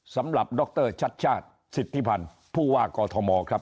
ดรชัดชาติสิทธิพันธ์ผู้ว่ากอทมครับ